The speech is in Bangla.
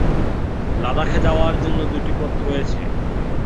লাদাখে যাওয়ার জন্য দুটি পথ রয়েছে।